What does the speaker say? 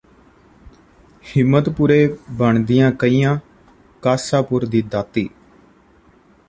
ਹਿੰਮਤਪੁਰੇ ਬਣਦੀਆਂ ਕਹੀਆਂ ਕਾਸਾਪੁਰ ਦੀ ਦਾਤੀ